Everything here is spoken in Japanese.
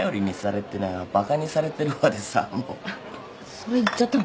それ言っちゃったの？